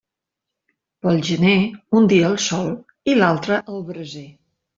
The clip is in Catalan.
Pel gener, un dia al sol i l'altre al braser.